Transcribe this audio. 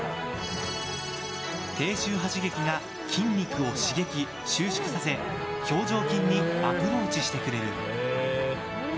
低周波刺激が筋肉を刺激・収縮させ表情筋にアプローチしてくれる。